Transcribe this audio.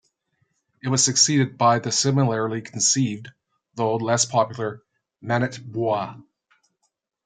It was succeeded by the similarly conceived, though less popular "Manitbois".